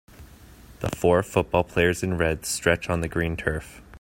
The four football players in red stretch on the green turf.